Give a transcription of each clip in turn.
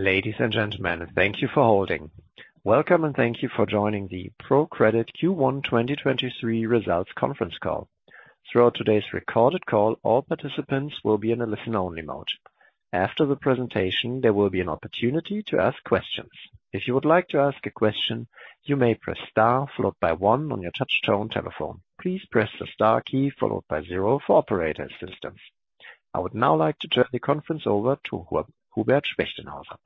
Ladies and gentlemen, thank you for holding. Welcome, and thank you for joining the ProCredit Q1 2023 Results Conference Call. Throughout today's recorded call, all participants will be in a listen-only mode. After the presentation, there will be an opportunity to ask questions. If you would like to ask a question, you may press star followed by one on your touch-tone telephone. Please press the star key followed by zero for operator assistance. I would now like to turn the conference over to Hubert Spechtenhauser.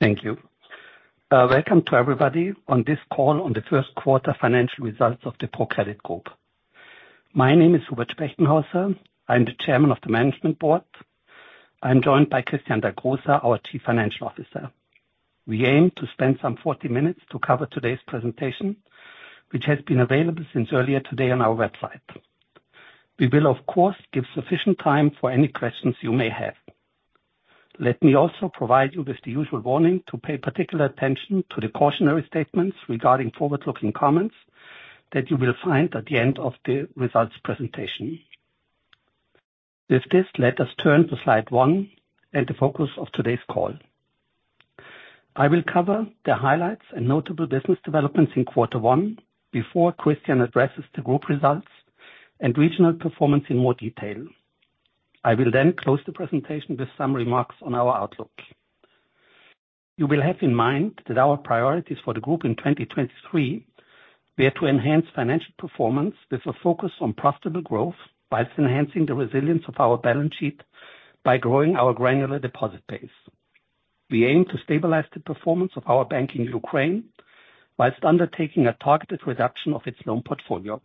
Thank you. Welcome to everybody on this call on the first quarter financial results of the ProCredit Group. My name is Hubert Spechtenhauser. I am the chairman of the management board. I am joined by Christian Dagrosa, our Chief Financial Officer. We aim to spend some 40 minutes to cover today's presentation, which has been available since earlier today on our website. We will, of course, give sufficient time for any questions you may have. Let me also provide you with the usual warning to pay particular attention to the cautionary statements regarding forward-looking comments that you will find at the end of the results presentation. With this, let us turn to slide one and the focus of today's call. I will cover the highlights and notable business developments in quarter one before Christian addresses the group results and regional performance in more detail. I will close the presentation with some remarks on our outlook. You will have in mind that our priorities for the group in 2023 were to enhance financial performance with a focus on profitable growth whilst enhancing the resilience of our balance sheet by growing our granular deposit base. We aim to stabilize the performance of our bank in Ukraine whilst undertaking a targeted reduction of its loan portfolio.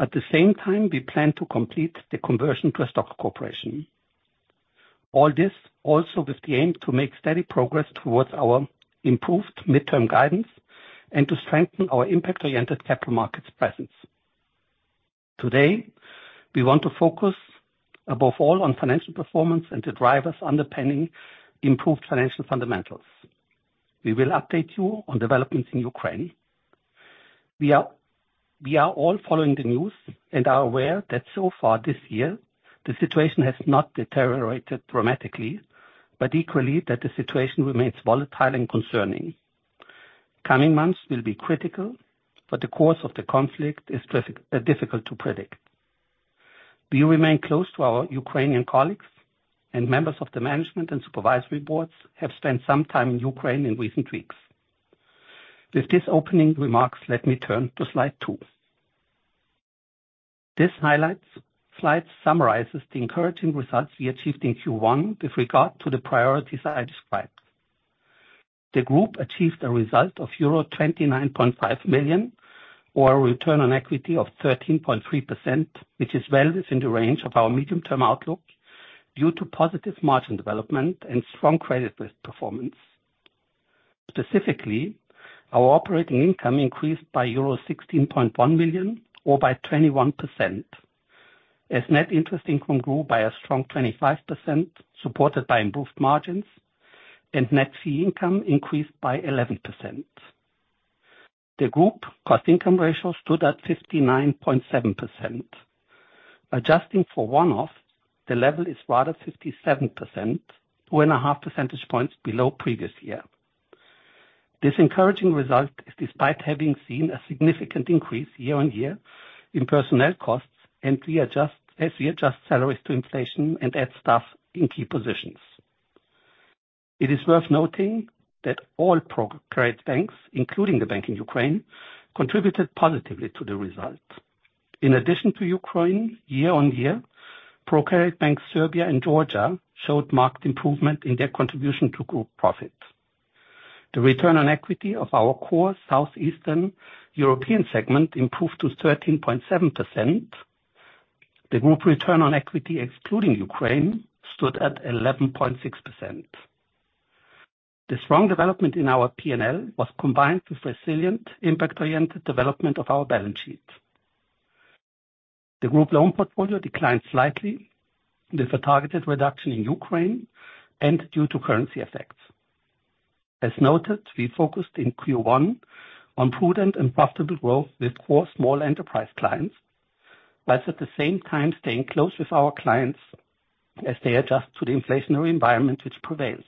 At the same time, we plan to complete the conversion to a stock corporation. All this also with the aim to make steady progress towards our improved midterm guidance and to strengthen our impact-oriented capital markets presence. Today, we want to focus above all on financial performance and the drivers underpinning improved financial fundamentals. We will update you on developments in Ukraine. We are all following the news and are aware that so far this year, the situation has not deteriorated dramatically, but equally that the situation remains volatile and concerning. Coming months will be critical, but the course of the conflict is difficult to predict. We remain close to our Ukrainian colleagues, and members of the management and supervisory boards have spent some time in Ukraine in recent weeks. With these opening remarks, let me turn to slide two. This slide summarizes the encouraging results we achieved in Q1 with regard to the priorities I described. The group achieved a result of euro 29.5 million, or a return on equity of 13.3%, which is well within the range of our medium-term outlook due to positive margin development and strong credit risk performance. Specifically, our operating income increased by euro 16.1 million or by 21%, as net interest income grew by a strong 25%, supported by improved margins, and net fee income increased by 11%. The group cost-income ratio stood at 59.7%. Adjusting for one-off, the level is rather 57%, two and a half percentage points below previous year. This encouraging result is despite having seen a significant increase year-on-year in personnel costs as we adjust salaries to inflation and add staff in key positions. It is worth noting that all ProCredit banks, including the bank in Ukraine, contributed positively to the result. In addition to Ukraine, year-on-year, ProCredit Bank Serbia and Georgia showed marked improvement in their contribution to group profit. The return on equity of our core Southeastern European segment improved to 13.7%. The group return on equity excluding Ukraine stood at 11.6%. The strong development in our P&L was combined with resilient impact-oriented development of our balance sheet. The group loan portfolio declined slightly with a targeted reduction in Ukraine and due to currency effects. As noted, we focused in Q1 on prudent and profitable growth with core small enterprise clients, whilst at the same time staying close with our clients as they adjust to the inflationary environment which prevails.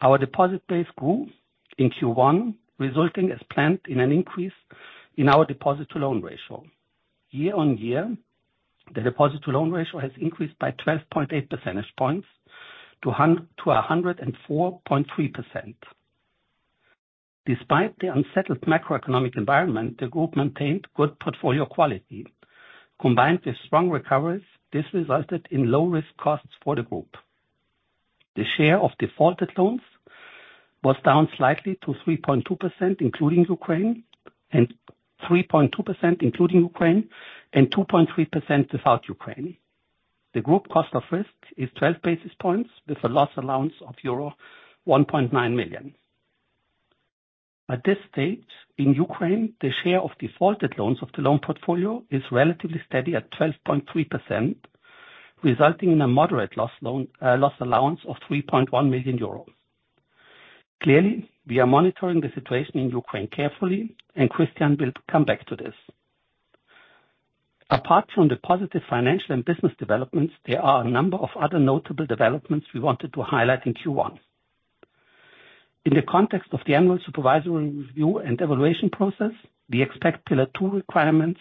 Our deposit base grew in Q1, resulting as planned in an increase in our deposit-to-loan ratio. Year-on-year, the deposit-to-loan ratio has increased by 12.8 percentage points to 104.3%. Despite the unsettled macroeconomic environment, the group maintained good portfolio quality. Combined with strong recoveries, this resulted in low-risk costs for the group. The share of defaulted loans was down slightly to 3.2%, including Ukraine, and 2.3% without Ukraine. The group cost of risk is 12 basis points with a loss allowance of euro 1.9 million. At this stage in Ukraine, the share of defaulted loans of the loan portfolio is relatively steady at 12.3%, resulting in a moderate loss allowance of 3.1 million euro. Clearly, we are monitoring the situation in Ukraine carefully, and Christian will come back to this. Apart from the positive financial and business developments, there are a number of other notable developments we wanted to highlight in Q1. In the context of the annual supervisory review and evaluation process, we expect Pillar II requirements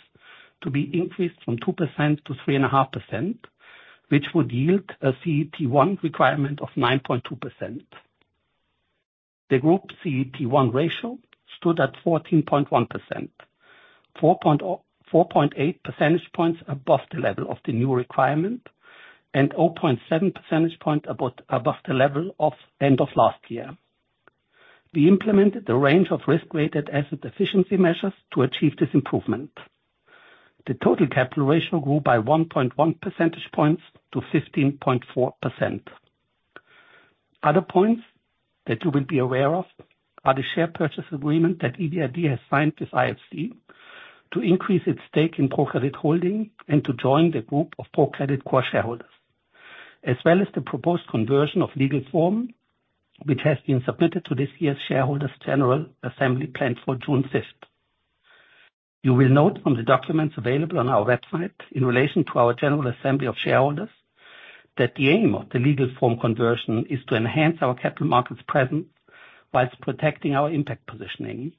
to be increased from 2% to 3.5%, which would yield a CET1 requirement of 9.2%. The Group CET1 ratio stood at 14.1%, 4.8 percentage points above the level of the new requirement, and 0.7 percentage point above the level of end of last year. We implemented a range of risk-weighted assets efficiency measures to achieve this improvement. The total capital ratio grew by 1.1 percentage points to 15.4%. Other points that you will be aware of are the share purchase agreement that EBRD has signed with IFC to increase its stake in ProCredit Holding and to join the group of ProCredit core shareholders, as well as the proposed conversion of legal form which has been submitted to this year's shareholders general assembly planned for June 5th. You will note from the documents available on our website in relation to our general assembly of shareholders that the aim of the legal form conversion is to enhance our capital markets presence whilst protecting our impact positioning.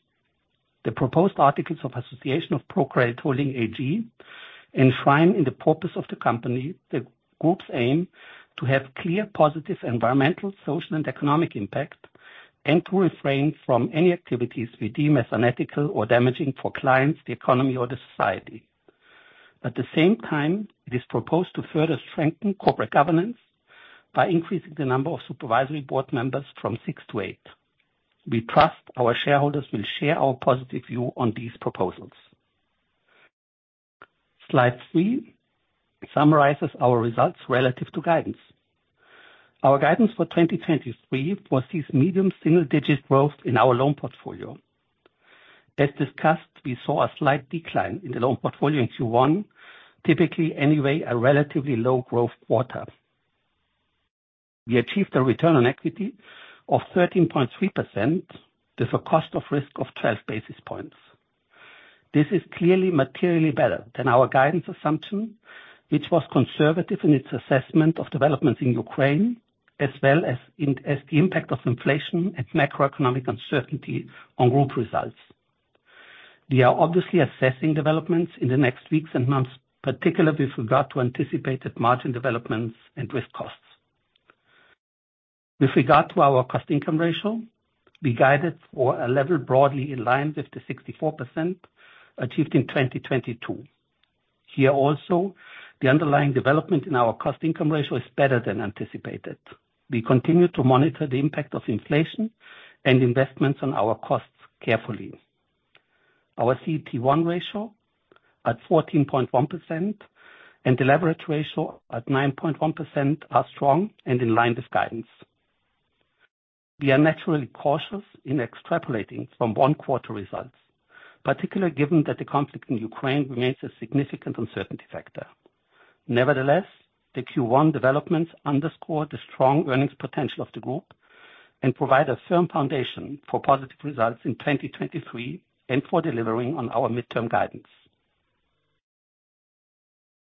The proposed articles of association of ProCredit Holding AG enshrine in the purpose of the company the group's aim to have clear, positive environmental, social, and economic impact, and to refrain from any activities we deem as unethical or damaging for clients, the economy, or the society. At the same time, it is proposed to further strengthen corporate governance by increasing the number of supervisory board members from six to eight. We trust our shareholders will share our positive view on these proposals. Slide three summarizes our results relative to guidance. Our guidance for 2023 foresees medium single-digit growth in our loan portfolio. As discussed, we saw a slight decline in the loan portfolio in Q1, typically anyway, a relatively low growth quarter. We achieved a return on equity of 13.3% with a cost of risk of 12 basis points. This is clearly materially better than our guidance assumption, which was conservative in its assessment of developments in Ukraine, as well as the impact of inflation and macroeconomic uncertainty on group results. We are obviously assessing developments in the next weeks and months, particularly with regard to anticipated margin developments and risk costs. With regard to our cost-income ratio, we guided for a level broadly in line with the 64% achieved in 2022. Here also, the underlying development in our cost-income ratio is better than anticipated. We continue to monitor the impact of inflation and investments on our costs carefully. Our CET1 ratio at 14.1% and the leverage ratio at 9.1% are strong and in line with guidance. We are naturally cautious in extrapolating from one quarter results, particularly given that the conflict in Ukraine remains a significant uncertainty factor. Nevertheless, the Q1 developments underscore the strong earnings potential of the group and provide a firm foundation for positive results in 2023 and for delivering on our midterm guidance.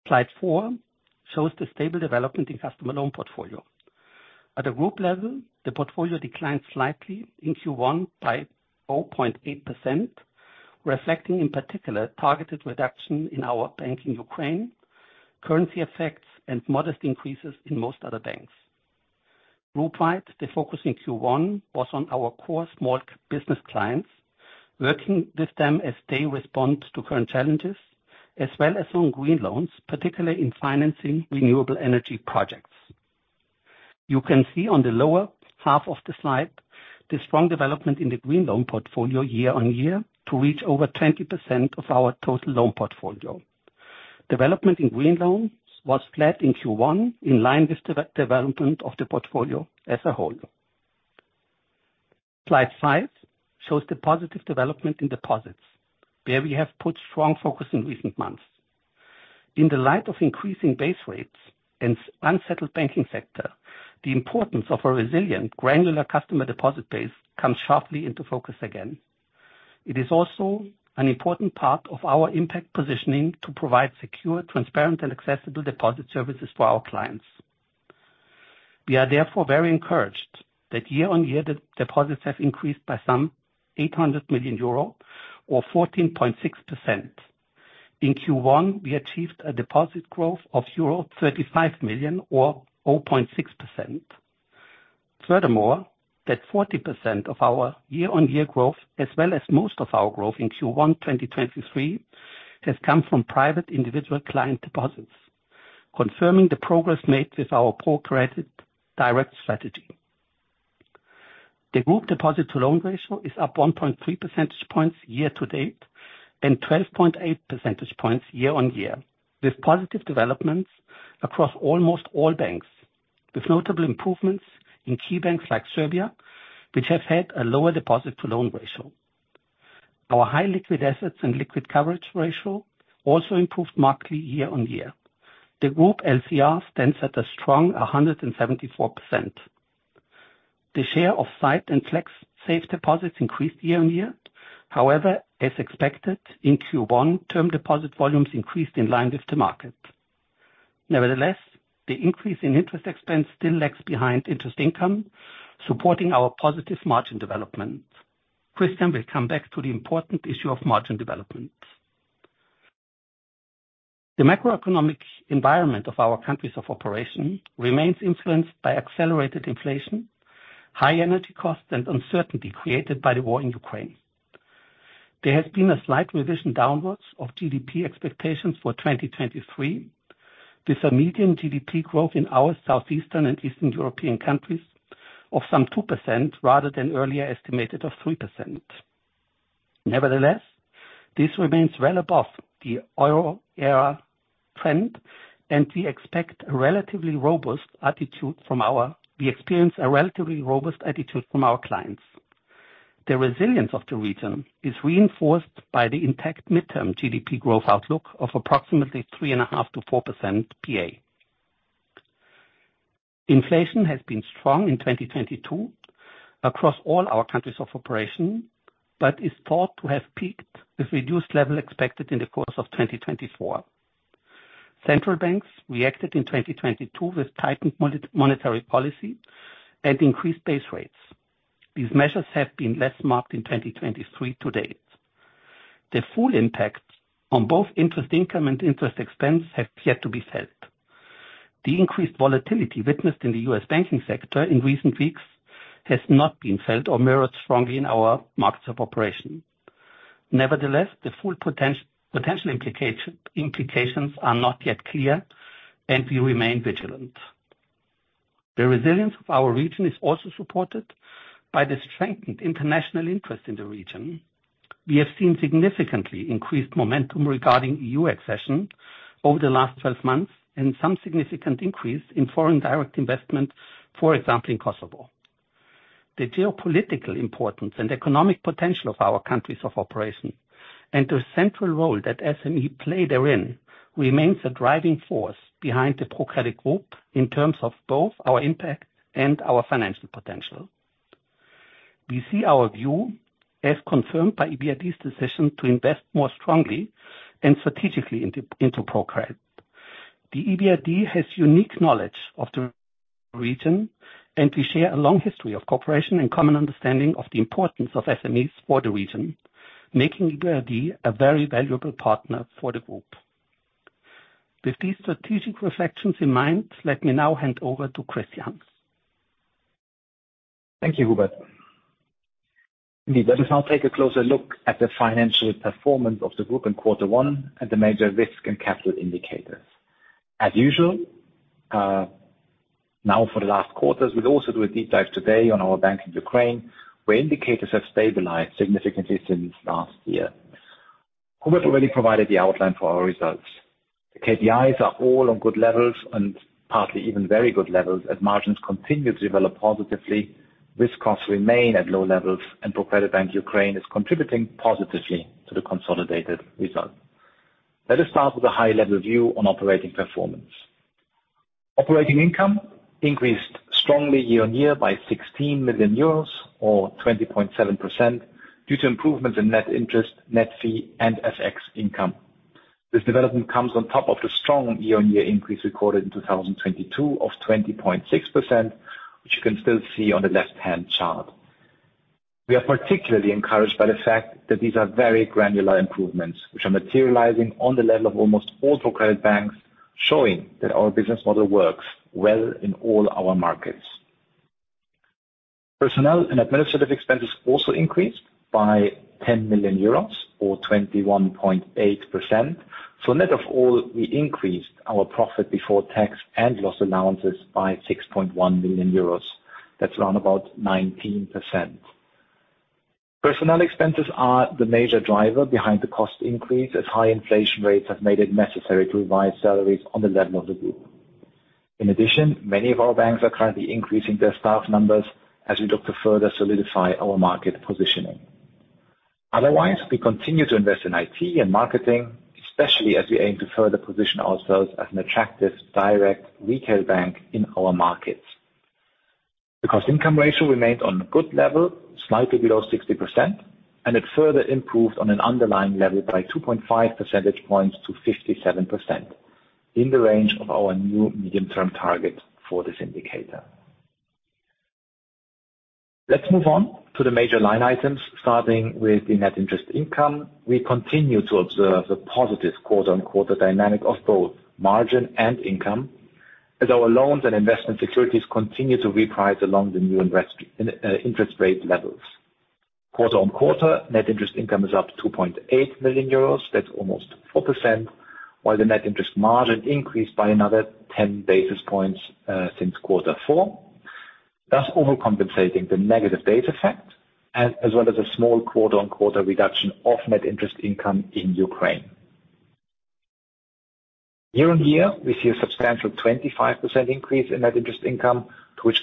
Slide four shows the stable development in customer loan portfolio. At the group level, the portfolio declined slightly in Q1 by 0.8%, reflecting in particular targeted reduction in our bank in Ukraine, currency effects, and modest increases in most other banks. Group-wide, the focus in Q1 was on our core small business clients, working with them as they respond to current challenges, as well as on green loans, particularly in financing renewable energy projects. You can see on the lower half of the slide, the strong development in the green loan portfolio year on year to reach over 20% of our total loan portfolio. Development in green loans was flat in Q1, in line with development of the portfolio as a whole. Slide five shows the positive development in deposits, where we have put strong focus in recent months. In the light of increasing base rates and unsettled banking sector, the importance of a resilient, granular customer deposit base comes sharply into focus again. It is also an important part of our impact positioning to provide secure, transparent, and accessible deposit services for our clients. We are therefore very encouraged that year on year, deposits have increased by some 800 million euro or 14.6%. In Q1, we achieved a deposit growth of euro 35 million or 0.6%. Furthermore, that 40% of our year-on-year growth as well as most of our growth in Q1 2023, has come from private individual client deposits, confirming the progress made with our ProCredit Direct strategy. The group deposit to loan ratio is up 1.3 percentage points year to date and 12.8 percentage points year-on-year, with positive developments across almost all banks, with notable improvements in key banks like Serbia, which have had a lower deposit to loan ratio. Our high liquid assets and liquid coverage ratio also improved markedly year-on-year. The group LCR stands at a strong 174%. The share of sight and FlexSave deposits increased year-on-year. However, as expected in Q1, term deposit volumes increased in line with the market. Nevertheless, the increase in interest expense still lags behind interest income, supporting our positive margin development. Christian will come back to the important issue of margin development. The macroeconomic environment of our countries of operation remains influenced by accelerated inflation, high energy costs, and uncertainty created by the war in Ukraine. There has been a slight revision downwards of GDP expectations for 2023, with a median GDP growth in our Southeastern and Eastern European countries of some 2% rather than earlier estimated of 3%. Nevertheless, this remains well above the euro area trend, and we experience a relatively robust attitude from our clients. The resilience of the region is reinforced by the intact midterm GDP growth outlook of approximately 3.5%-4% PA. Inflation has been strong in 2022 across all our countries of operation, but is thought to have peaked with reduced level expected in the course of 2024. Central banks reacted in 2022 with tightened monetary policy and increased base rates. These measures have been less marked in 2023 to date. The full impact on both interest income and interest expense have yet to be felt. The increased volatility witnessed in the U.S. banking sector in recent weeks has not been felt or mirrored strongly in our markets of operation. Nevertheless, the full potential implications are not yet clear, and we remain vigilant. The resilience of our region is also supported by the strengthened international interest in the region. We have seen significantly increased momentum regarding EU accession over the last 12 months and some significant increase in foreign direct investment, for example, in Kosovo. The geopolitical importance and economic potential of our countries of operation and the central role that SME play therein remains the driving force behind the ProCredit group in terms of both our impact and our financial potential. We see our view as confirmed by EBRD's decision to invest more strongly and strategically into ProCredit. The EBRD has unique knowledge of the region, and we share a long history of cooperation and common understanding of the importance of SMEs for the region, making EBRD a very valuable partner for the group. With these strategic reflections in mind, let me now hand over to Christian. Thank you, Hubert. Let us now take a closer look at the financial performance of the group in quarter one and the major risk and capital indicators. As usual, for the last quarters, we will also do a deep dive today on our ProCredit Bank Ukraine, where indicators have stabilized significantly since last year. Hubert already provided the outline for our results. The KPIs are all on good levels and partly even very good levels as margins continue to develop positively, risk costs remain at low levels, and ProCredit Bank Ukraine is contributing positively to the consolidated result. Let us start with a high-level view on operating performance. Operating income increased strongly year-on-year by 16 million euros, or 20.7%, due to improvements in net interest, net fee, and FX income. This development comes on top of the strong year-on-year increase recorded in 2022 of 20.6%, which you can still see on the left-hand chart. We are particularly encouraged by the fact that these are very granular improvements, which are materializing on the level of almost all ProCredit banks, showing that our business model works well in all our markets. Personnel and administrative expenses also increased by 10 million euros or 21.8%. Net of all, we increased our profit before tax and loss allowances by 6.1 million euros. That's around about 19%. Personnel expenses are the major driver behind the cost increase, as high inflation rates have made it necessary to revise salaries on the level of the group. In addition, many of our banks are currently increasing their staff numbers as we look to further solidify our market positioning. Otherwise, we continue to invest in IT and marketing, especially as we aim to further position ourselves as an attractive direct retail bank in our markets. The cost-income ratio remained on a good level, slightly below 60%, and it further improved on an underlying level by 2.5 percentage points to 57%, in the range of our new medium-term target for this indicator. Let's move on to the major line items, starting with the net interest income. We continue to observe the positive quarter-on-quarter dynamic of both margin and income, as our loans and investment securities continue to reprice along the new interest rate levels. Quarter-on-quarter, net interest income is up 2.8 million euros. That's almost 4%, while the net interest margin increased by another 10 basis points since quarter four, thus overcompensating the negative base effect as well as a small quarter-on-quarter reduction of net interest income in Ukraine. Year-on-year, we see a substantial 25% increase in net interest income, to which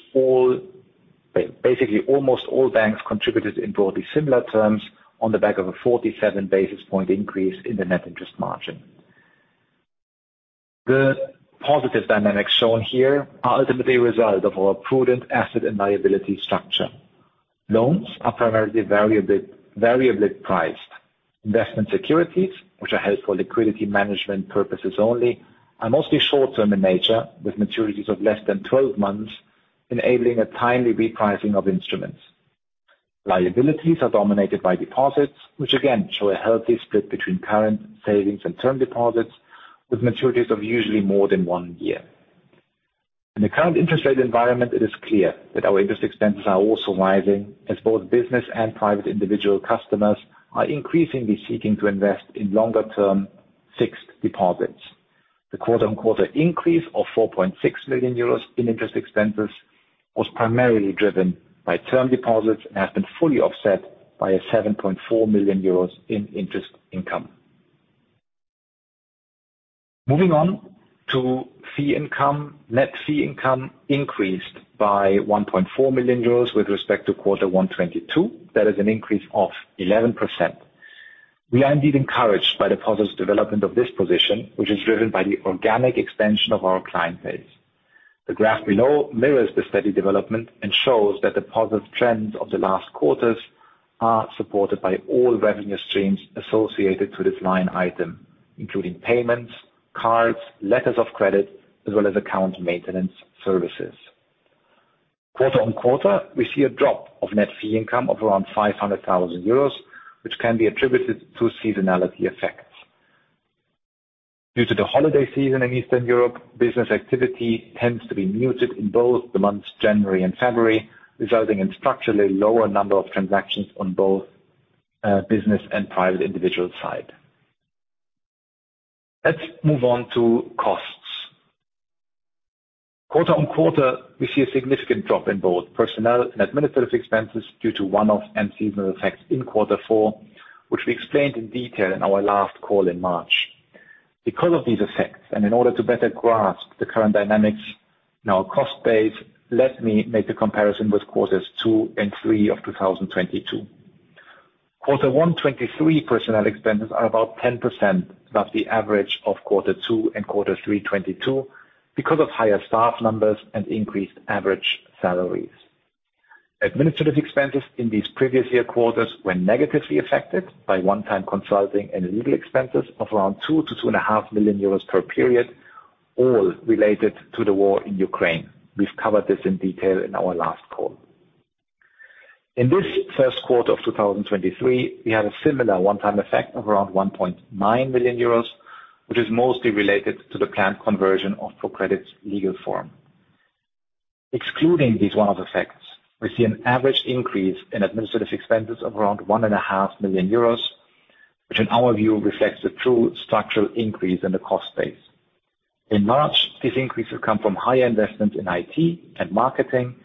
basically almost all banks contributed in broadly similar terms on the back of a 47 basis point increase in the net interest margin. The positive dynamics shown here are ultimately a result of our prudent asset and liability structure. Loans are primarily variably priced. Investment securities, which are held for liquidity management purposes only, are mostly short-term in nature, with maturities of less than 12 months, enabling a timely repricing of instruments. Liabilities are dominated by deposits, which again show a healthy split between current savings and term deposits with maturities of usually more than one year. In the current interest rate environment, it is clear that our interest expenses are also rising as both business and private individual customers are increasingly seeking to invest in longer-term fixed deposits. The quarter-on-quarter increase of 4.6 million euros in interest expenses was primarily driven by term deposits and has been fully offset by a 7.4 million euros in interest income. Moving on to fee income. Net fee income increased by 1.4 million euros with respect to quarter one 2022. That is an increase of 11%. We are indeed encouraged by the positive development of this position, which is driven by the organic expansion of our client base. The graph below mirrors the steady development and shows that the positive trends of the last quarters are supported by all revenue streams associated to this line item, including payments, cards, letters of credit, as well as account maintenance services. Quarter-on-quarter, we see a drop of net fee income of around 500,000 euros, which can be attributed to seasonality effects. Due to the holiday season in Eastern Europe, business activity tends to be muted in both the months January and February, resulting in structurally lower number of transactions on both business and private individual side. Let's move on to costs. Quarter-on-quarter, we see a significant drop in both personnel and administrative expenses due to one-off and seasonal effects in quarter four, which we explained in detail in our last call in March. Of these effects, and in order to better grasp the current dynamics in our cost base, let me make the comparison with quarters two and three of 2022. Quarter one 2023 personnel expenses are about 10% above the average of quarter two and quarter three 2022 because of higher staff numbers and increased average salaries. Administrative expenses in these previous year quarters were negatively affected by one-time consulting and legal expenses of around 2 to 2.5 million euros per period, all related to the war in Ukraine. We've covered this in detail in our last call. In this first quarter of 2023, we had a similar one-time effect of around 1.9 million euros, which is mostly related to the planned conversion of ProCredit's legal form. Excluding these one-off effects, we see an average increase in administrative expenses of around 1.5 million euros, which in our view reflects the true structural increase in the cost base. In March, these increases come from higher investment in IT and marketing,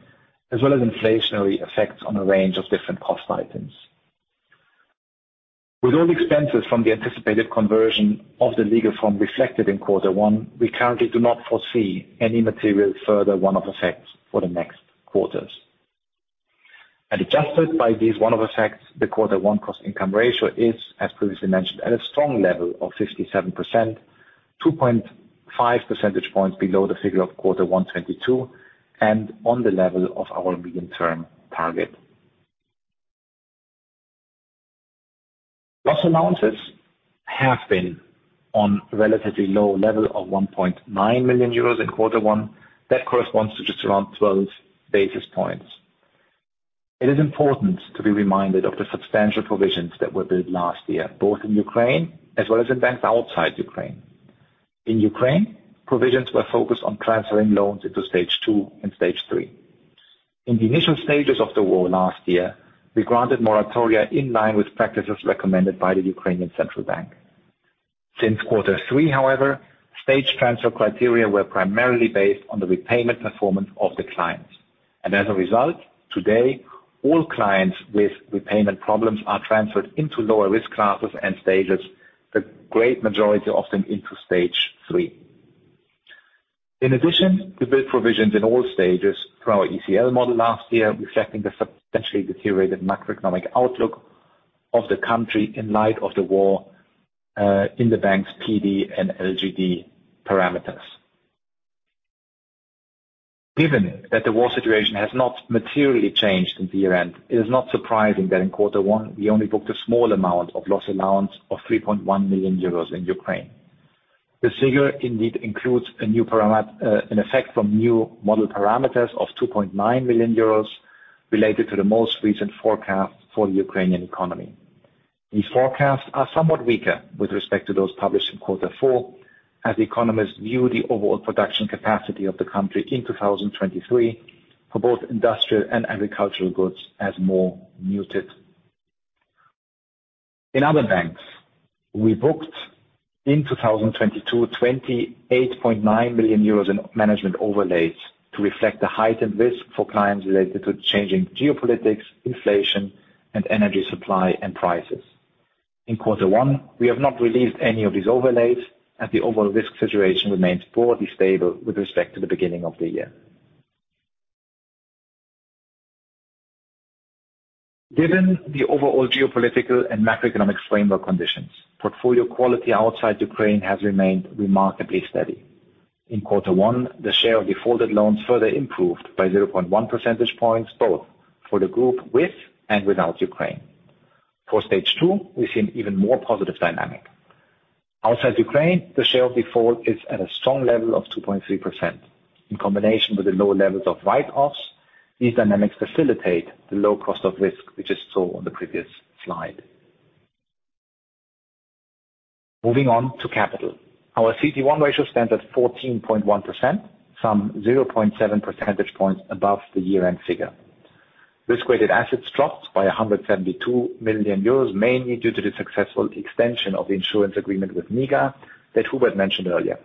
as well as inflationary effects on a range of different cost items. With all expenses from the anticipated conversion of the legal form reflected in quarter one, we currently do not foresee any material further one-off effects for the next quarters. Adjusted by these one-off effects, the quarter one cost-income ratio is, as previously mentioned, at a strong level of 67%, 2.5 percentage points below the figure of quarter one 2022, and on the level of our medium-term target. Loss allowances have been on relatively low level of 1.9 million euros in quarter one. That corresponds to just around 12 basis points. It is important to be reminded of the substantial provisions that were billed last year, both in Ukraine as well as in banks outside Ukraine. In Ukraine, provisions were focused on transferring loans into Stage 2 and Stage 3. In the initial stages of the war last year, we granted moratoria in line with practices recommended by the Ukrainian Central Bank. As a result, today, all clients with repayment problems are transferred into lower risk classes and stages, the great majority of them into Stage 3. In addition, we built provisions in all stages through our ECL model last year, reflecting the substantially deteriorated macroeconomic outlook of the country in light of the war, in the bank's PD and LGD parameters. Given that the war situation has not materially changed since year-end, it is not surprising that in quarter one we only booked a small amount of loss allowance of 3.1 million euros in Ukraine. The figure indeed includes an effect from new model parameters of 2.9 million euros related to the most recent forecast for the Ukrainian economy. These forecasts are somewhat weaker with respect to those published in quarter four, as economists view the overall production capacity of the country in 2023 for both industrial and agricultural goods as more muted. In other banks, we booked in 2022, 28.9 million euros in management overlays to reflect the heightened risk for clients related to changing geopolitics, inflation, and energy supply and prices. In quarter one, we have not released any of these overlays as the overall risk situation remains poorly stable with respect to the beginning of the year. Given the overall geopolitical and macroeconomic framework conditions, portfolio quality outside Ukraine has remained remarkably steady. In quarter one, the share of defaulted loans further improved by 0.1 percentage points, both for the group with and without Ukraine. For Stage 2, we've seen even more positive dynamic. Outside Ukraine, the share of default is at a strong level of 2.3%. In combination with the lower levels of write-offs, these dynamics facilitate the low cost of risk which is shown on the previous slide. Moving on to capital. Our CET1 ratio stands at 14.1%, some 0.7 percentage points above the year-end figure. Risk-weighted assets dropped by 172 million euros, mainly due to the successful extension of the insurance agreement with MIGA that Hubert mentioned earlier.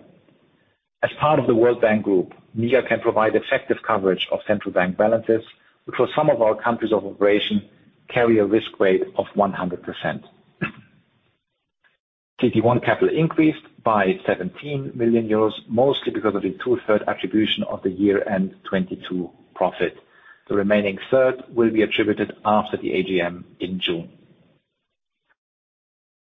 As part of the World Bank Group, MIGA can provide effective coverage of central bank balances, which for some of our countries of operation carry a risk weight of 100%. CET1 capital increased by 17 million euros, mostly because of the two-third attribution of the year-end 2022 profit. The remaining third will be attributed after the AGM in June.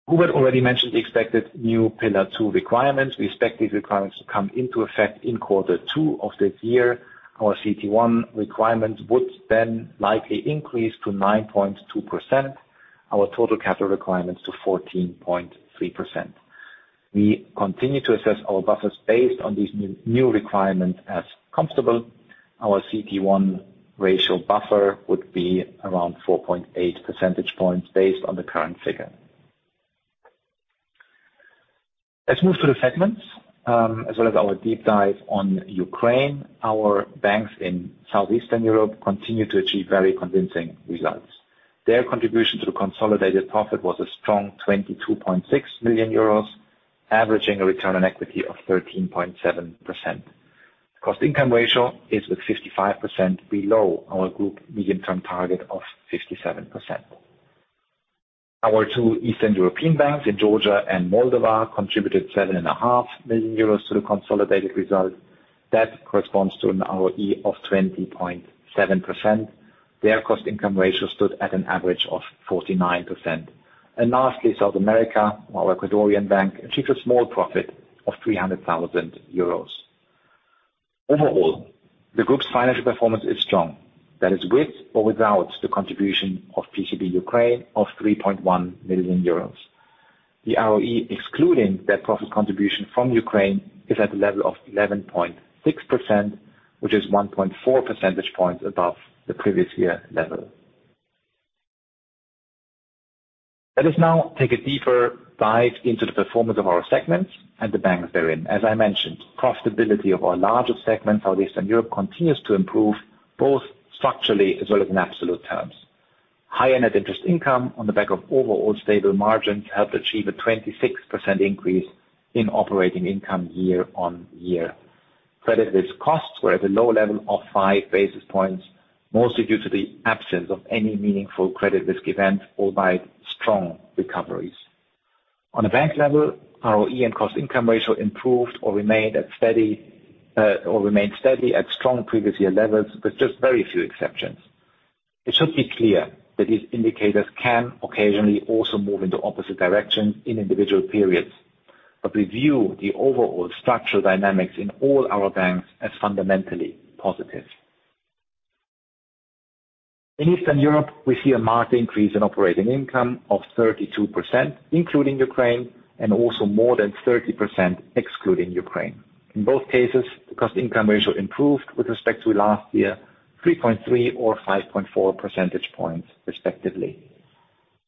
Hubert already mentioned the expected new Pillar II requirements. We expect these requirements to come into effect in quarter two of this year. Our CET1 requirements would likely increase to 9.2%, our total capital requirements to 14.3%. We continue to assess our buffers based on these new requirements as comfortable. Our CET1 ratio buffer would be around 4.8 percentage points based on the current figure. Let's move to the segments, as well as our deep dive on Ukraine. Our banks in Southeastern Europe continue to achieve very convincing results. Their contribution to the consolidated profit was a strong 22.6 million euros, averaging a return on equity of 13.7%. Cost-income ratio is, with 55%, below our group medium-term target of 57%. Our two Eastern European banks in Georgia and Moldova contributed 7.5 million euros to the consolidated result. That corresponds to an ROE of 20.7%. Their cost-income ratio stood at an average of 49%. Lastly, South America, our Ecuadorian bank, achieved a small profit of 300,000 euros. Overall, the group's financial performance is strong. That is with or without the contribution of PCB Ukraine of 3.1 million euros. The ROE, excluding that profit contribution from Ukraine, is at a level of 11.6%, which is 1.4 percentage points above the previous year level. Let us now take a deeper dive into the performance of our segments and the banks therein. As I mentioned, profitability of our largest segment, Southeastern Europe, continues to improve both structurally as well as in absolute terms. Higher net interest income on the back of overall stable margins helped achieve a 26% increase in operating income year-on-year. Credit risk costs were at a low level of five basis points, mostly due to the absence of any meaningful credit risk event or by strong recoveries. On a bank level, ROE and cost-income ratio improved or remained steady at strong previous year levels, with just very few exceptions. It should be clear that these indicators can occasionally also move into opposite directions in individual periods. We view the overall structural dynamics in all our banks as fundamentally positive. In Eastern Europe, we see a marked increase in operating income of 32%, including Ukraine, and also more than 30% excluding Ukraine. In both cases, the cost-income ratio improved with respect to last year 3.3 or 5.4 percentage points respectively.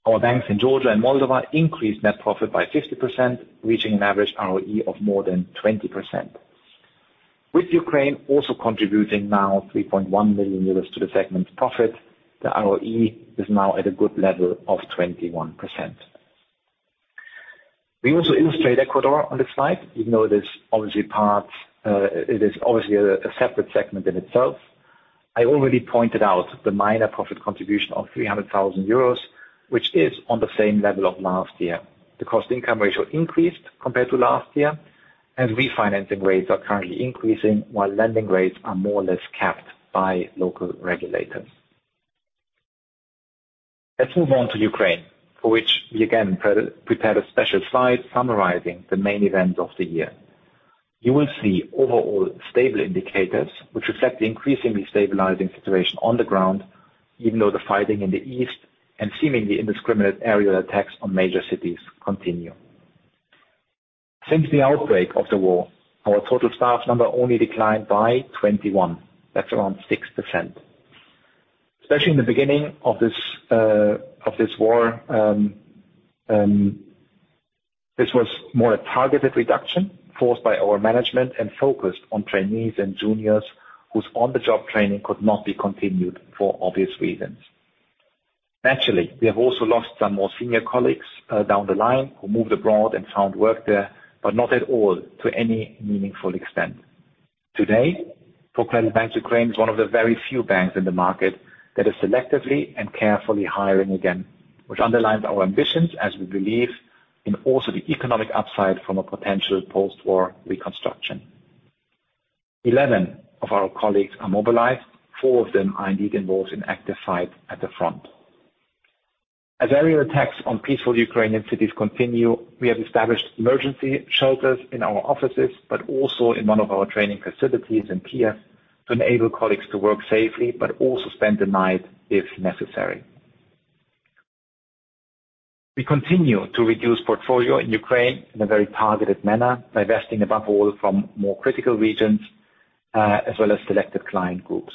Our banks in Georgia and Moldova increased net profit by 50%, reaching an average ROE of more than 20%. With Ukraine also contributing now 3.1 million euros to the segment's profit, the ROE is now at a good level of 21%. We also illustrate Ecuador on this slide, even though it is obviously a separate segment in itself. I already pointed out the minor profit contribution of 300,000 euros, which is on the same level of last year. Refinancing rates are currently increasing while lending rates are more or less capped by local regulators. Let's move on to Ukraine, for which we again prepared a special slide summarizing the main events of the year. You will see overall stable indicators, which reflect the increasingly stabilizing situation on the ground, even though the fighting in the east and seemingly indiscriminate aerial attacks on major cities continue. Since the outbreak of the war, our total staff number only declined by 21. That's around 6%. Especially in the beginning of this war, this was more a targeted reduction forced by our management and focused on trainees and juniors whose on-the-job training could not be continued for obvious reasons. Naturally, we have also lost some more senior colleagues down the line who moved abroad and found work there, but not at all to any meaningful extent. Today, ProCredit Bank Ukraine is one of the very few banks in the market that is selectively and carefully hiring again, which underlines our ambitions as we believe in also the economic upside from a potential post-war reconstruction. 11 of our colleagues are mobilized. Four of them are indeed involved in active fight at the front. As aerial attacks on peaceful Ukrainian cities continue, we have established emergency shelters in our offices, but also in one of our training facilities in Kiev to enable colleagues to work safely, but also spend the night if necessary. We continue to reduce portfolio in Ukraine in a very targeted manner, divesting above all from more critical regions, as well as selected client groups.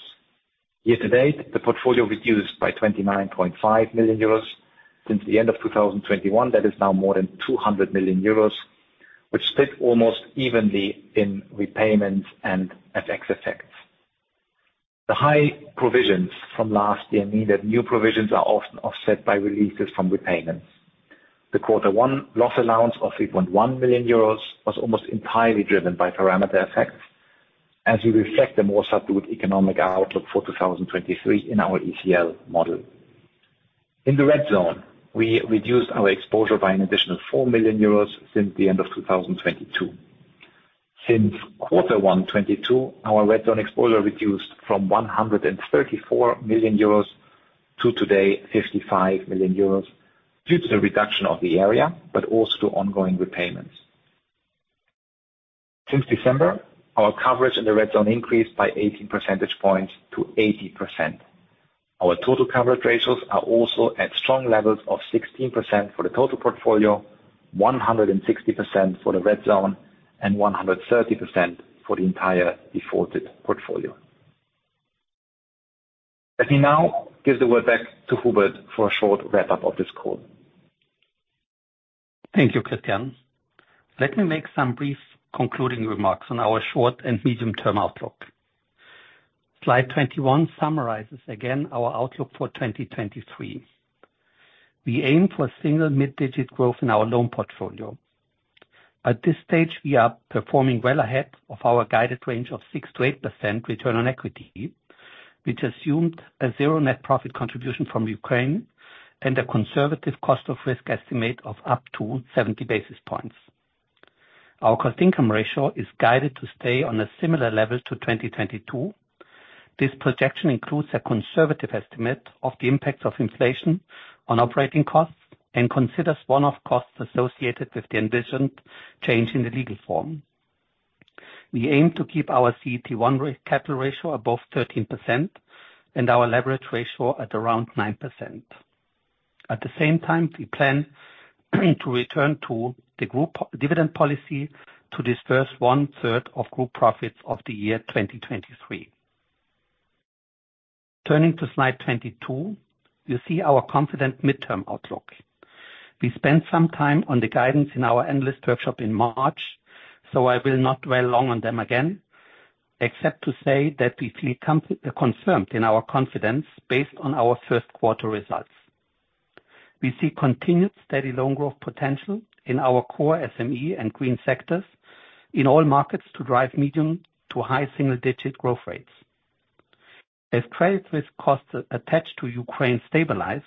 Year-to-date, the portfolio reduced by 29.5 million euros. Since the end of 2021, that is now more than 200 million euros, which split almost evenly in repayments and FX effects. The high provisions from last year mean that new provisions are often offset by releases from repayments. The quarter one loss allowance of 3.1 million euros was almost entirely driven by parameter effects, as we reflect the more subdued economic outlook for 2023 in our ECL model. In the red zone, we reduced our exposure by an additional 4 million euros since the end of 2022. Since quarter one 2022, our red zone exposure reduced from 134 million euros to today, 55 million euros due to the reduction of the area, but also to ongoing repayments. Since December, our coverage in the red zone increased by 18 percentage points to 80%. Our total coverage ratios are also at strong levels of 16% for the total portfolio, 160% for the red zone, and 130% for the entire defaulted portfolio. Let me now give the word back to Hubert for a short wrap-up of this call. Thank you, Christian. Let me make some brief concluding remarks on our short and medium-term outlook. Slide 21 summarizes again our outlook for 2023. We aim for single mid-digit growth in our loan portfolio. At this stage, we are performing well ahead of our guided range of 6%-8% return on equity, which assumed a zero net profit contribution from Ukraine and a conservative cost of risk estimate of up to 70 basis points. Our cost-income ratio is guided to stay on a similar level to 2022. This projection includes a conservative estimate of the impacts of inflation on operating costs, and considers one-off costs associated with the envisioned change in the legal form. We aim to keep our CET1 capital ratio above 13% and our leverage ratio at around 9%. At the same time, we plan to return to the dividend policy to disperse one third of group profits of the year 2023. Turning to slide 22, you see our confident midterm outlook. We spent some time on the guidance in our analyst workshop in March, so I will not dwell long on them again, except to say that we feel confirmed in our confidence based on our first quarter results. We see continued steady loan growth potential in our core SME and green sectors in all markets to drive medium to high single-digit growth rates. As credit risk costs attached to Ukraine stabilize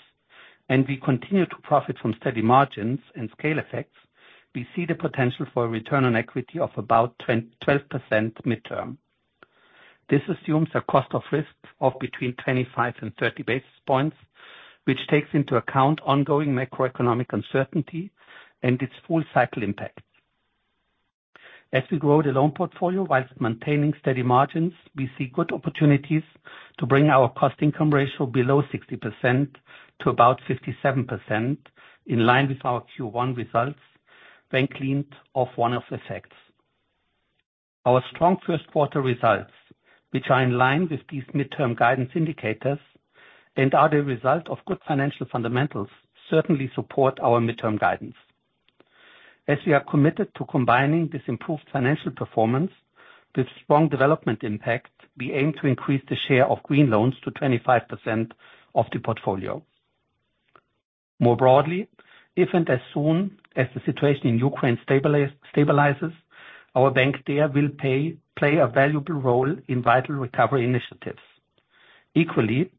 and we continue to profit from steady margins and scale effects, we see the potential for a return on equity of about 12% midterm. This assumes a cost of risks of between 25 and 30 basis points, which takes into account ongoing macroeconomic uncertainty and its full cycle impact. As we grow the loan portfolio whilst maintaining steady margins, we see good opportunities to bring our cost-income ratio below 60% to about 57%, in line with our Q1 results when cleaned of one-off effects. Our strong first quarter results, which are in line with these midterm guidance indicators and are the result of good financial fundamentals, certainly support our midterm guidance. As we are committed to combining this improved financial performance with strong development impact, we aim to increase the share of green loans to 25% of the portfolio. More broadly, if and as soon as the situation in Ukraine stabilizes, our bank there will play a valuable role in vital recovery initiatives. Equally,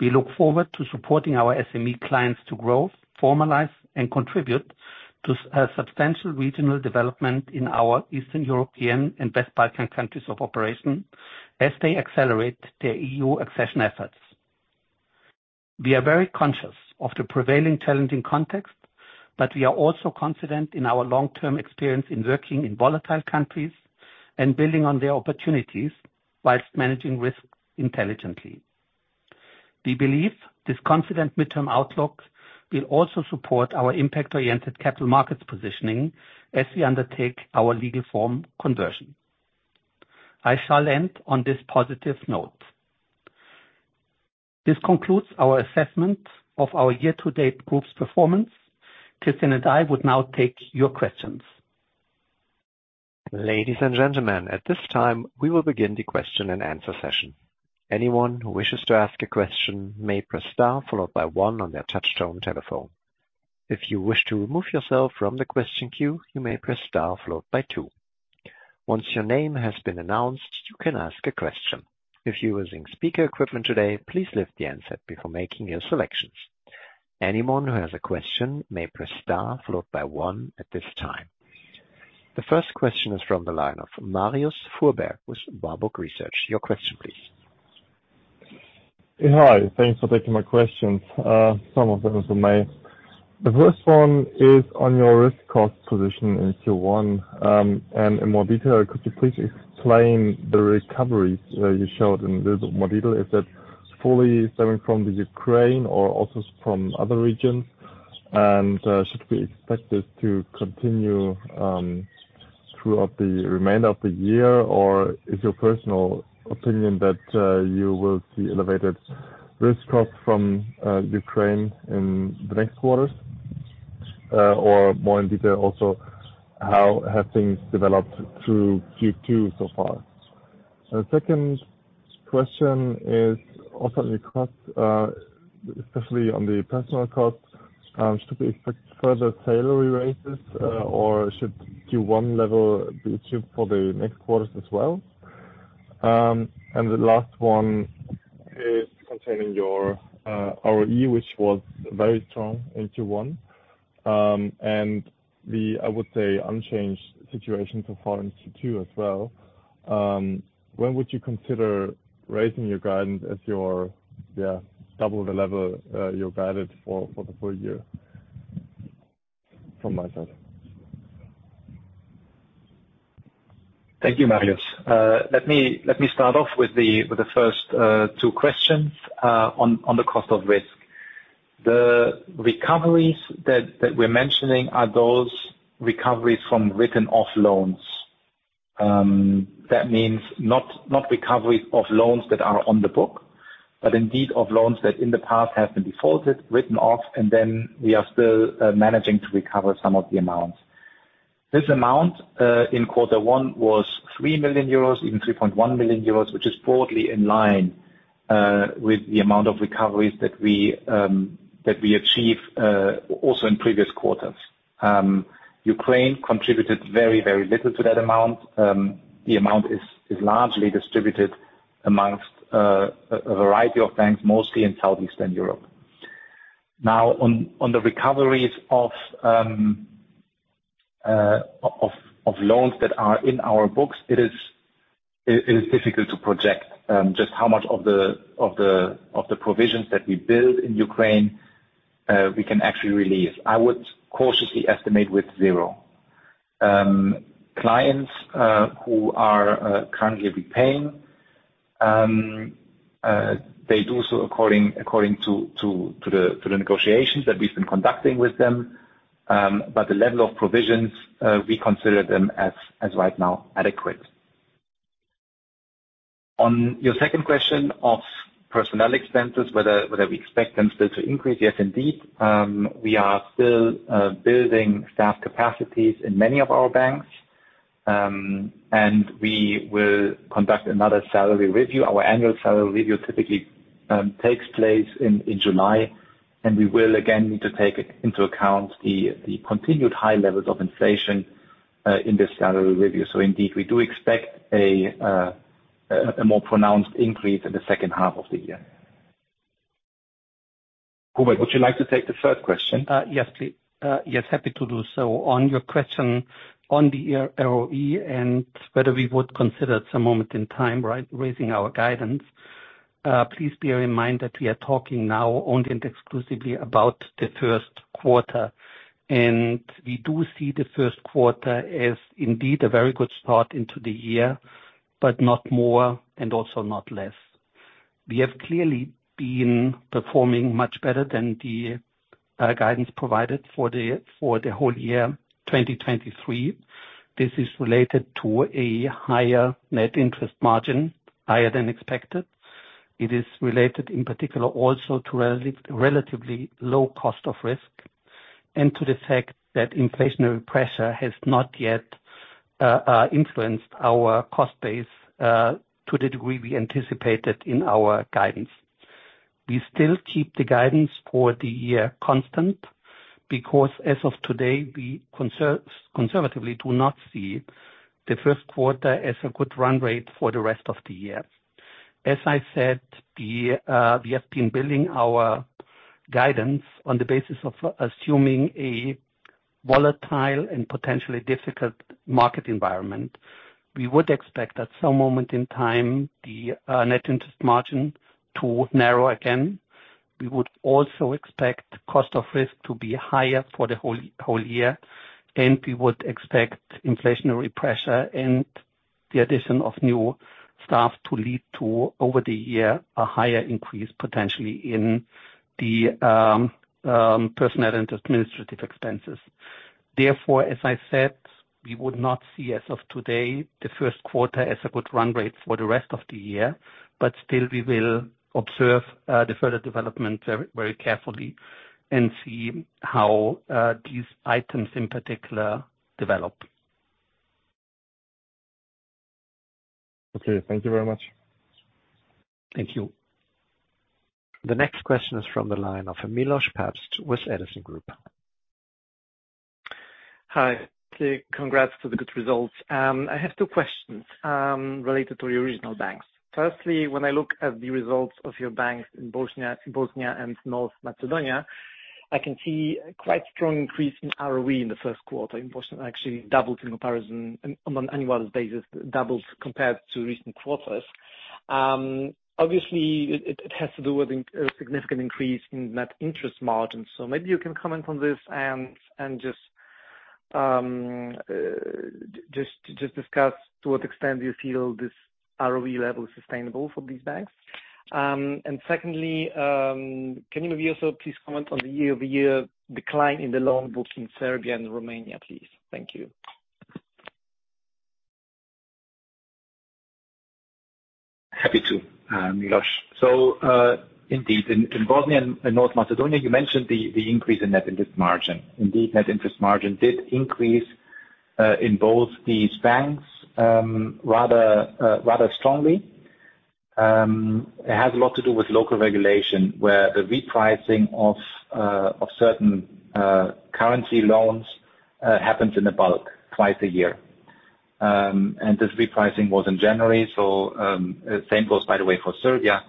we look forward to supporting our SME clients to grow, formalize, and contribute to a substantial regional development in our Eastern European and West Balkan countries of operation as they accelerate their EU accession efforts. We are also confident in our long-term experience in working in volatile countries and building on their opportunities whilst managing risks intelligently. We believe this confident midterm outlook will also support our impact-oriented capital markets positioning as we undertake our legal form conversion. I shall end on this positive note. This concludes our assessment of our year-to-date group's performance. Christian and I would now take your questions. Ladies and gentlemen, at this time, we will begin the question and answer session. Anyone who wishes to ask a question may press star followed by one on their touchtone telephone. If you wish to remove yourself from the question queue, you may press star followed by two. Once your name has been announced, you can ask a question. If you are using speaker equipment today, please lift the handset before making your selections. Anyone who has a question may press star followed by one at this time. The first question is from the line of Marius Fuhrberg with Baader Research. Your question, please. Hi. Thanks for taking my questions. Some of them is for me. The first one is on your risk cost position in Q1. In more detail, could you please explain the recoveries you showed in a little more detail, is that fully stemming from Ukraine or also from other regions? Should we expect this to continue throughout the remainder of the year, or is your personal opinion that you will see elevated risk cost from Ukraine in the next quarters? More in detail also, how have things developed through Q2 so far? The second question is also on your cost, especially on the personal cost. Should we expect further salary raises, or should Q1 level be achieved for the next quarters as well? The last one is containing your ROE, which was very strong in Q1. The, I would say, unchanged situation so far in Q2 as well. When would you consider raising your guidance as you double the level you guided for the full year? From my side. Thank you, Marius. Let me start off with the first two questions on the cost of risk. The recoveries that we're mentioning are those recoveries from written-off loans. That means not recoveries of loans that are on the book, but indeed of loans that in the past have been defaulted, written off, and then we are still managing to recover some of the amounts. This amount, in quarter one was 3 million euros, even 3.1 million euros, which is broadly in line with the amount of recoveries that we achieve also in previous quarters. Ukraine contributed very little to that amount. The amount is largely distributed amongst a variety of banks, mostly in Southeastern Europe. Now, on the recoveries of loans that are in our books, it is difficult to project just how much of the provisions that we build in Ukraine, we can actually release. I would cautiously estimate with zero. Clients who are currently repaying, they do so according to the negotiations that we've been conducting with them. The level of provisions, we consider them as right now adequate. On your second question of personnel expenses, whether we expect them still to increase. Yes, indeed. We are still building staff capacities in many of our banks. We will conduct another salary review. Our annual salary review typically takes place in July, and we will again need to take into account the continued high levels of inflation in this salary review. Indeed, we do expect a more pronounced increase in the second half of the year. Hubert, would you like to take the third question? Yes, happy to do so. On your question on the ROE and whether we would consider at some moment in time, right, raising our guidance. Please bear in mind that we are talking now only and exclusively about the first quarter. We do see the first quarter as indeed a very good start into the year, but not more and also not less. We have clearly been performing much better than the guidance provided for the whole year 2023. This is related to a higher net interest margin, higher than expected. It is related in particular also to relatively low cost of risk and to the fact that inflationary pressure has not yet influenced our cost base to the degree we anticipated in our guidance. We still keep the guidance for the year constant because as of today, we conservatively do not see the first quarter as a good run rate for the rest of the year. As I said, we have been building our guidance on the basis of assuming a volatile and potentially difficult market environment. We would expect at some moment in time the net interest margin to narrow again. We would also expect cost of risk to be higher for the whole year, and we would expect inflationary pressure and the addition of new staff to lead to, over the year, a higher increase potentially in the personnel and administrative expenses. Therefore, as I said, we would not see as of today the first quarter as a good run rate for the rest of the year, but still we will observe the further development very carefully and see how these items in particular develop. Okay. Thank you very much. Thank you. The next question is from the line of Milosz Papst with Edison Group. Hi. Congratulations to the good results. I have two questions related to your regional banks. Firstly, when I look at the results of your banks in Bosnia and North Macedonia, I can see a quite strong increase in ROE in the first quarter. In Bosnia, actually doubles in comparison on an annual basis, doubles compared to recent quarters. Obviously, it has to do with a significant increase in net interest margin. Maybe you can comment on this and just discuss to what extent you feel this ROE level is sustainable for these banks. Secondly, can you maybe also please comment on the year-over-year decline in the loan book in Serbia and Romania, please? Thank you. Happy to, Milosz. Indeed, in Bosnia and North Macedonia, you mentioned the increase in net interest margin. Indeed, net interest margin did increase in both these banks rather strongly. It has a lot to do with local regulation, where the repricing of certain currency loans happens in the bulk twice a year. This repricing was in January. Same goes, by the way, for Serbia.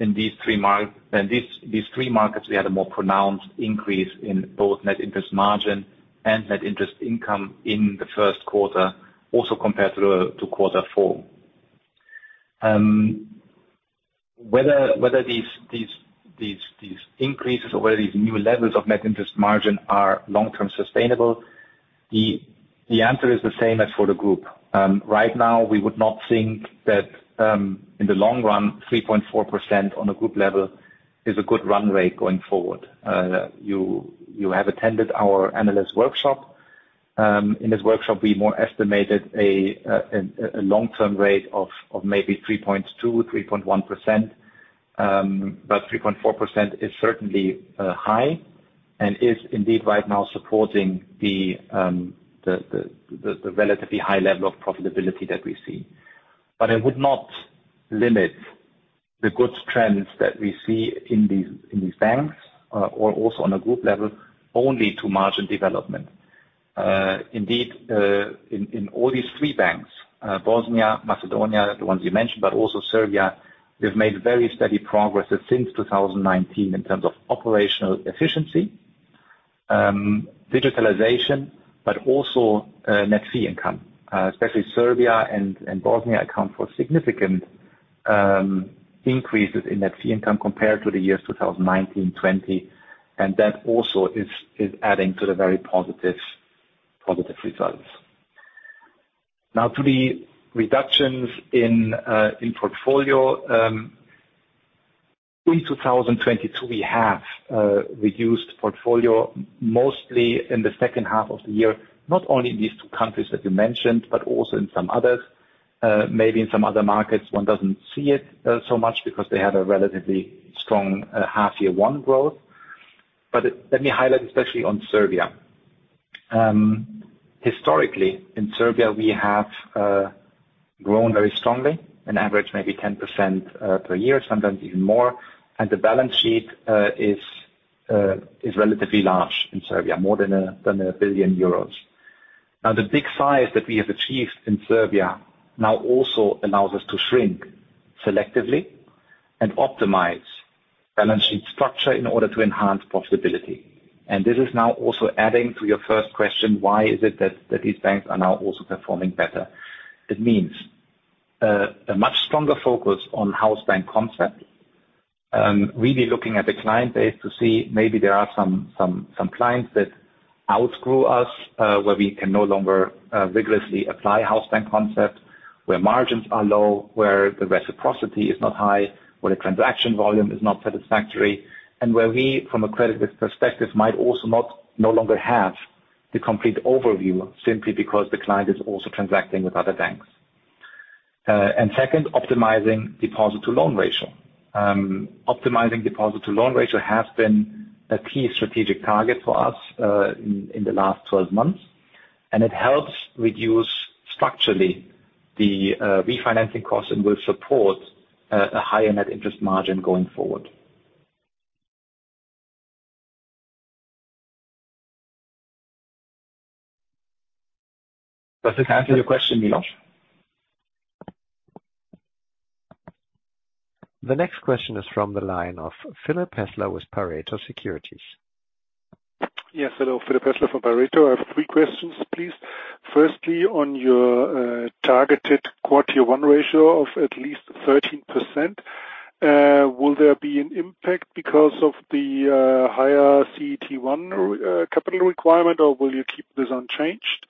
In these three markets, we had a more pronounced increase in both net interest margin and net interest income in the first quarter, also compared to quarter four. Whether these increases or whether these new levels of net interest margin are long-term sustainable, the answer is the same as for the group. Right now, we would not think that in the long run, 3.4% on a group level is a good runway going forward. You have attended our analyst workshop. In this workshop, we more estimated a long-term rate of maybe 3.2%, 3.1%. 3.4% is certainly high and is indeed right now supporting the relatively high level of profitability that we see. I would not limit the good trends that we see in these banks or also on a group level only to margin development. Indeed, in all these three banks, Bosnia, Macedonia, the ones you mentioned, but also Serbia, we've made very steady progresses since 2019 in terms of operational efficiency, digitalization, but also net fee income. Especially Serbia and Bosnia account for significant increases in net fee income compared to the years 2019, 2020. That also is adding to the very positive results. To the reductions in portfolio. In 2022, we have reduced portfolio mostly in the second half of the year, not only in these two countries that you mentioned, but also in some others. Maybe in some other markets one doesn't see it so much because they had a relatively strong half year one growth. Let me highlight, especially on Serbia. Historically, in Serbia, we have grown very strongly, an average maybe 10% per year, sometimes even more. The balance sheet is relatively large in Serbia, more than 1 billion euros. The big size that we have achieved in Serbia now also allows us to shrink selectively and optimize balance sheet structure in order to enhance profitability. This is now also adding to your first question, why is it that these banks are now also performing better? It means a much stronger focus on house bank concept. Really looking at the client base to see maybe there are some clients that outgrew us, where we can no longer vigorously apply house bank concept, where margins are low, where the reciprocity is not high, where the transaction volume is not satisfactory, and where we, from a credit risk perspective, might also no longer have the complete overview simply because the client is also transacting with other banks. Second, optimizing loan-to-deposit ratio. Optimizing loan-to-deposit ratio has been a key strategic target for us in the last 12 months, it helps reduce structurally the refinancing cost and will support a higher net interest margin going forward. Does it answer your question, Milosz? The next question is from the line of Philipp Häßler with Pareto Securities. Yes. Hello. Philipp Häßler from Pareto. I have three questions, please. Firstly, on your targeted quarter one ratio of at least 13%, will there be an impact because of the higher CET1 capital requirement, or will you keep this unchanged?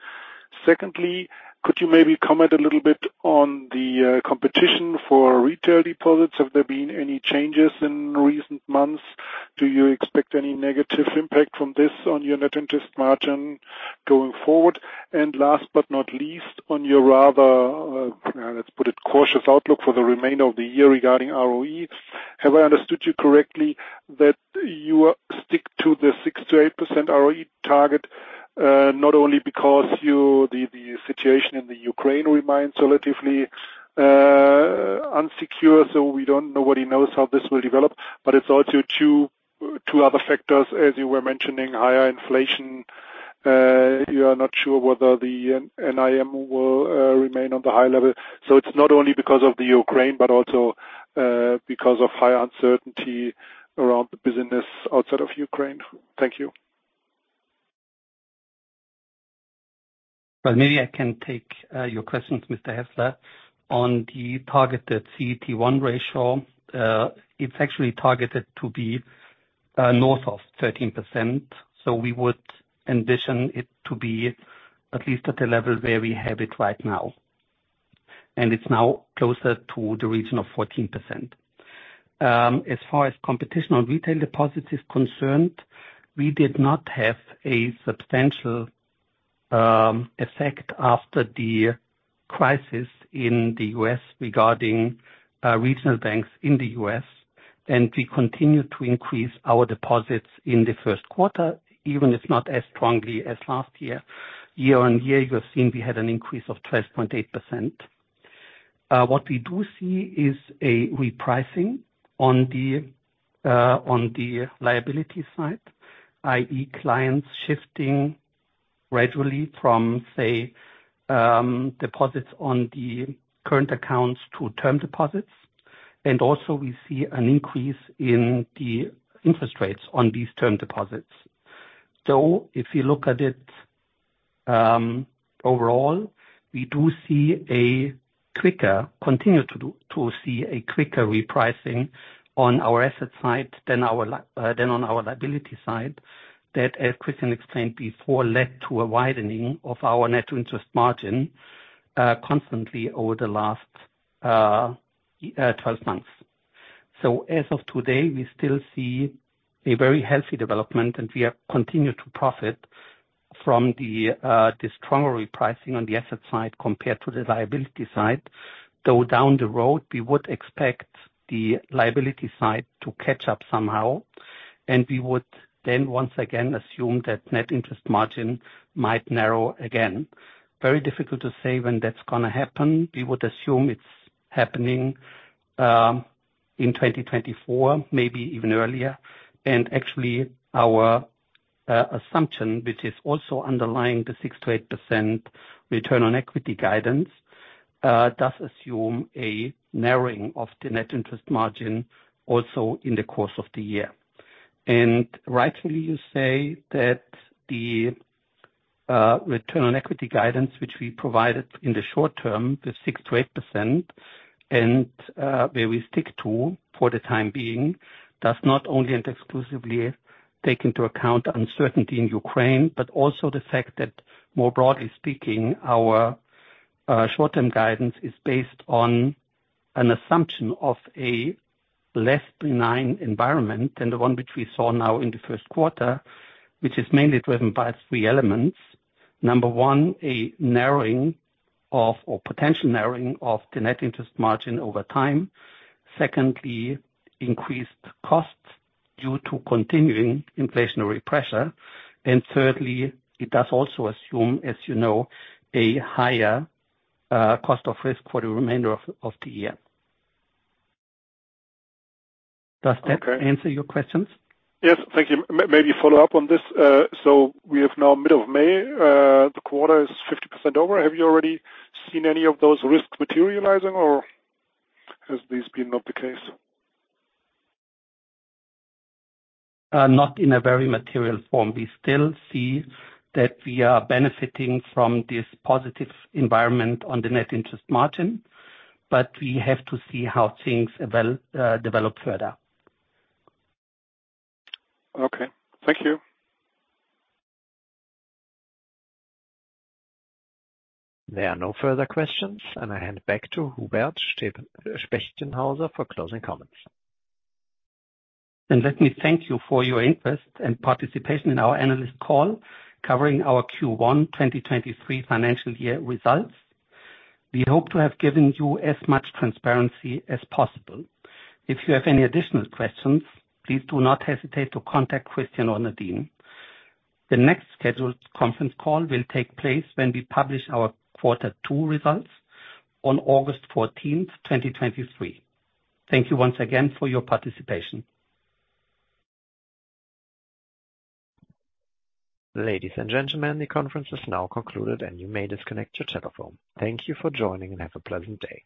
Secondly, could you maybe comment a little bit on the competition for retail deposits? Have there been any changes in recent months? Do you expect any negative impact from this on your net interest margin going forward? Last but not least, on your rather, let's put it cautious outlook for the remainder of the year regarding ROE. Have I understood you correctly that you stick to the 6%-8% ROE target, not only because the situation in Ukraine remains relatively unsecure, so nobody knows how this will develop. It's also two other factors, as you were mentioning, higher inflation. You are not sure whether the NIM will remain on the high level. It's not only because of Ukraine, but also because of high uncertainty around the business outside of Ukraine. Thank you. Well, maybe I can take your questions, Mr. Häßler. On the targeted CET1 ratio, it's actually targeted to be north of 13%, so we would envision it to be at least at the level where we have it right now. It's now closer to the region of 14%. As far as competition on retail deposit is concerned, we did not have a substantial effect after the crisis in the U.S. regarding regional banks in the U.S., and we continued to increase our deposits in the first quarter, even if not as strongly as last year. Year-over-year, you have seen we had an increase of 12.8%. What we do see is a repricing on the liability side, i.e., clients shifting gradually from, say, deposits on the current accounts to term deposits. Also we see an increase in the interest rates on these term deposits. If you look at it overall, we do continue to see a quicker repricing on our asset side than on our liability side that, as Christian explained before, led to a widening of our net interest margin constantly over the last 12 months. As of today, we still see a very healthy development, and we have continued to profit from the stronger repricing on the asset side compared to the liability side, though down the road, we would expect the liability side to catch up somehow, and we would then once again assume that net interest margin might narrow again. Very difficult to say when that's going to happen. We would assume it's happening in 2024, maybe even earlier. Actually, our assumption, which is also underlying the 6%-8% return on equity guidance, does assume a narrowing of the net interest margin also in the course of the year. Rightly you say that the return on equity guidance which we provided in the short term, the 6%-8%, and where we stick to for the time being, does not only and exclusively take into account uncertainty in Ukraine, but also the fact that, more broadly speaking, our short-term guidance is based on an assumption of a less benign environment than the one which we saw now in the first quarter, which is mainly driven by three elements. Number one, a narrowing or potential narrowing of the net interest margin over time. Secondly, increased costs due to continuing inflationary pressure. Thirdly, it does also assume, as you know, a higher cost of risk for the remainder of the year. Does that answer your questions? Yes. Thank you. Maybe follow up on this. We have now middle of May. The quarter is 50% over. Have you already seen any of those risks materializing, or has this been not the case? Not in a very material form. We still see that we are benefiting from this positive environment on the net interest margin, but we have to see how things develop further. Okay. Thank you. There are no further questions, and I hand back to Hubert Spechtenhauser for closing comments. Let me thank you for your interest and participation in our analyst call covering our Q1 2023 financial year results. We hope to have given you as much transparency as possible. If you have any additional questions, please do not hesitate to contact Christian or Nadine. The next scheduled conference call will take place when we publish our quarter two results on August 14th, 2023. Thank you once again for your participation. Ladies and gentlemen, the conference is now concluded and you may disconnect your telephone. Thank you for joining and have a pleasant day.